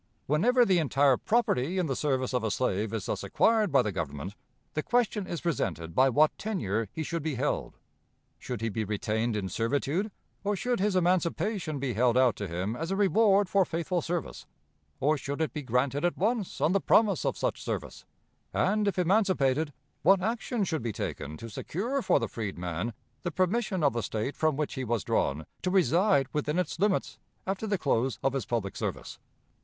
Whenever the entire property in the service of a slave is thus acquired by the Government, the question is presented by what tenure he should be held. Should he be retained in servitude, or should his emancipation be held out to him as a reward for faithful service, or should it be granted at once on the promise of such service; and if emancipated what action should be taken to secure for the freed man the permission of the State from which he was drawn to reside within its limits after the close of his public service?